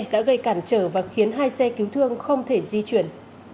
đã gây cản trở và khiến hai xe cứu thương không thể di chuyển